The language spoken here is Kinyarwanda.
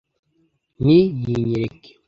nti yinyereke